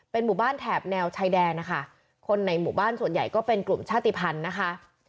หมู่บ้านแถบแนวชายแดนนะคะคนในหมู่บ้านส่วนใหญ่ก็เป็นกลุ่มชาติภัณฑ์นะคะ